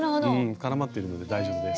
絡まっているので大丈夫です。